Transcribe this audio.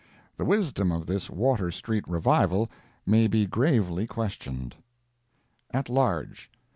The wisdom of this Water street "revival" may be gravely questioned. At Large.